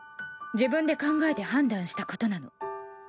自分で考えて判断したことなの。